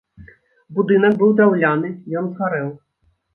Будынак быў драўляны, ён згарэў.